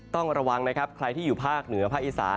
ต้องระวังนะครับใครที่อยู่ภาคเหนือภาคอีสาน